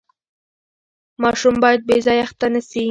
ماشوم باید بې ځایه اخته نه سي.